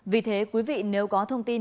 vì thế quý vị nếu có thông tin